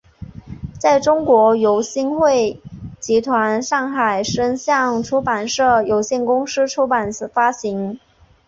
在中国由新汇集团上海声像出版社有限公司出版发行。